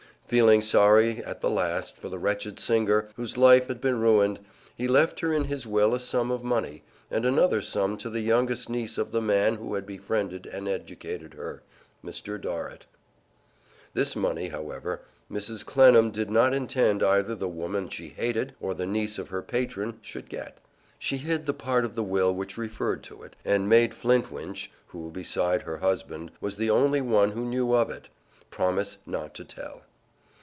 Feeling sorry at the last for the wretched singer, whose life had been ruined, he left her in his will a sum of money, and another sum to the youngest niece of the man who had befriended and educated her Mr. Dorrit. This money, however, Mrs. Clennam did not intend either the woman she hated or the niece of her patron should get. She hid the part of the will which referred to it, and made Flintwinch (who, beside her husband, was the only one who knew of it) promise not to tell.